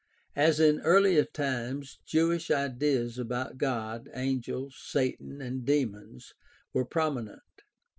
As in earlier times, Jewish ideas about God, angels, Satan, and demons were prominent.